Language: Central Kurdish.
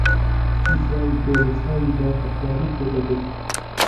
عەکسی چاوی تۆ لە چاویدا بە خواری تێدەگەی